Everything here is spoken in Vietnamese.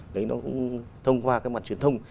đấy nó cũng thông qua cái mặt truyền thông